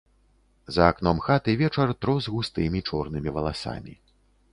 За акном хаты вечар трос густымі чорнымі валасамі.